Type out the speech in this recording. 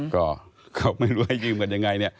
ก็การไม่รู้อะไรยิ่งกันยังไงเนี่ย